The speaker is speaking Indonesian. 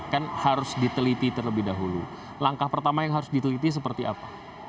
kan harus diteliti terlebih dahulu langkah pertama yang harus diteliti seperti apa